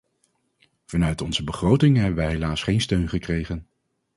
Vanuit onze begrotingen hebben wij helaas geen steun gekregen.